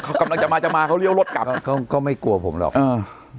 เขากำลังจะมาจะมาเขาเลี้ยวรถกลับเขาก็ไม่กลัวผมหรอกอ่า